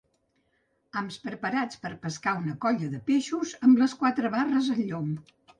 Hams preparats per pescar una colla de peixos amb les quatre barres al llom.